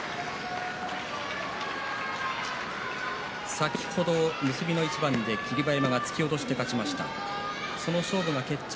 先ほど、結びの一番で霧馬山が突き落としで勝ちました。